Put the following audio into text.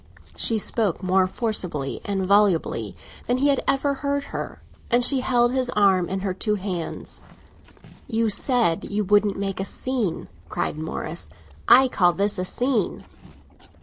She spoke more forcibly and volubly than he had ever heard her, and she held his arm in her two hands. "You said you wouldn't make a scene!" cried Morris. "I call this a scene."